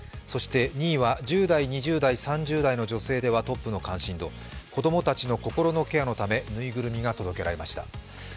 そして２位は、１０代、２０代、３０代の女性ではトップの関心度子供たちの心のケアのためぬいぐるみが届けられました。